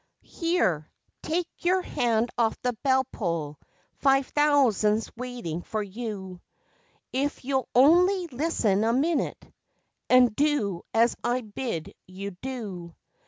Here! Take your hand off the bell pull. Five thousand's waiting for you, If you'll only listen a minute, and do as I bid you do.